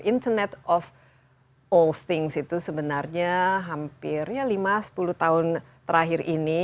internet of all things itu sebenarnya hampir ya lima sepuluh tahun terakhir ini